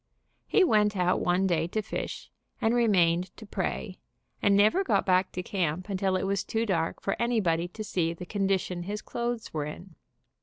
He went out one day to fish, and remained to pray, and never got back to camp until it was too dark for anybody to see the condition his clothes were in.